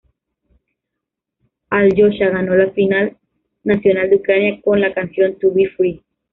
Alyosha ganó la final nacional de Ucrania con la canción ""To be free"".